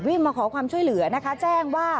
มาขอความช่วยเหลือนะคะแจ้งว่า